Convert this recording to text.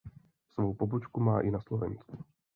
Svou pobočku má i na Slovensku.